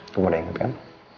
kamu udah ingat kan